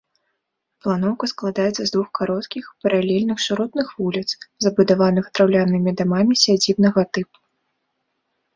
Планоўка складаецца з двух кароткіх, паралельных шыротных вуліц, забудаваных драўлянымі дамамі сядзібнага тыпу.